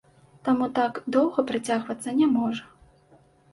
Таму так доўга працягвацца не можа.